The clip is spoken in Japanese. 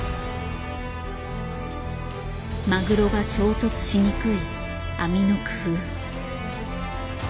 マグロが衝突しにくい網の工夫。